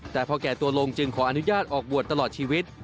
แต่พอแก่ตัวลงจึงขออนุญาตออกบวชตลอดชีวิต